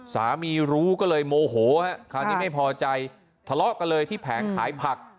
สามีรู้ก็เลยโมโหฮะคราวนี้ไม่พอใจทะเลาะกันเลยที่แผงขายผัก